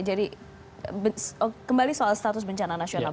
jadi kembali soal status bencana nasional